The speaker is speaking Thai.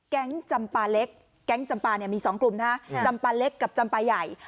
จำปลาเล็กแก๊งจำปาเนี่ยมี๒กลุ่มนะฮะจำปลาเล็กกับจำปลาใหญ่